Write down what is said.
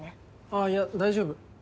あいや大丈夫。